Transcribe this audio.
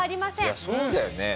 いやそうだよね。